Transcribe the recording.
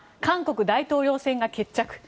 韓国大統領選が決着。